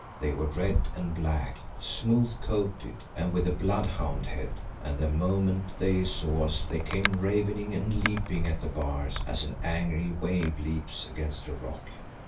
They were red and black, smooth coated and with a blood hound head, and the moment they saw us they came ravening and leaping at the bars as an angry wave leaps against a rock.